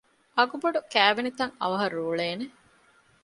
އަގުބޮޑު ކައިވެނިތައް އަވަހަށް ރޫޅޭނެ؟